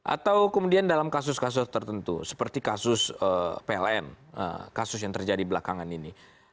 atau kemudian dalam kasus kasus tertentu seperti kasus pln kasus yang terjadi belakangan ini